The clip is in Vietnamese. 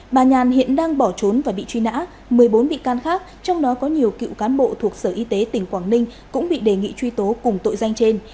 bà nhàn hiện đang bỏ trốn và bị truy nã một mươi bốn bị can khác trong đó có nhiều cựu cán bộ thuộc sở y tế tỉnh quảng ninh cũng bị đề nghị truy tố cùng tội danh trên